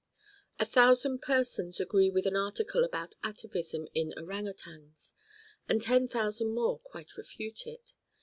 A thousand persons agree with an article about atavism in orang outangs and ten thousand more quite refute it.